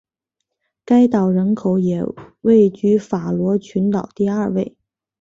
该岛人口也位居法罗群岛第二位。